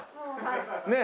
ねえ。